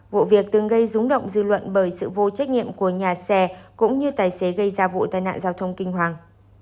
vụ việc từng gây rúng động dư luận bởi sự vô trách nhiệm của nhà xe cũng như tài xế gây ra vụ tai nạn giao thông kinh hoàng